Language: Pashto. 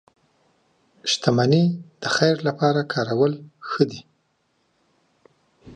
• شتمني د خیر لپاره کارول ښه دي.